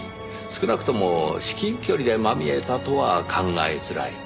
少なくとも至近距離でまみえたとは考えづらい。